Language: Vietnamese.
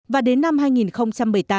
và đến năm hai nghìn bảy mươi tám